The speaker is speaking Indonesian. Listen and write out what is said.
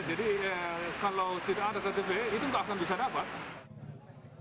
jadi kalau tidak ada ktp itu nggak akan bisa dapat